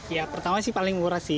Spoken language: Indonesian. ya pertama sih paling murah sih